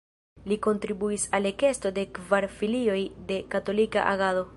Li kontribuis al ekesto de kvar filioj de Katolika Agado.